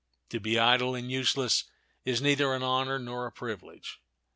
To be idle and useless is neither an honor nor a privilege.